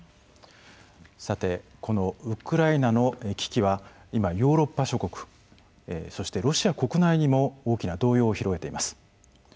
さてこのウクライナの危機は今ヨーロッパ諸国そしてロシア国内にも大きな動揺を広げています。